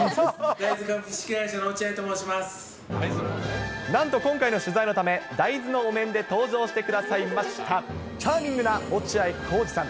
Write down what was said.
ダイズ株式会社の落合と申しなんと今回の取材のため、大豆のお面で登場してくださいました、チャーミングな落合孝次さん。